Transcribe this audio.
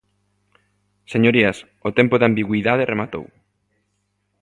Señorías, o tempo da ambigüidade rematou.